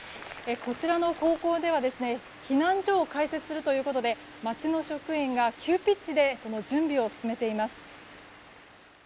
こちらの高校では避難所を開設するということで町の職員が、急ピッチでその準備を進めています。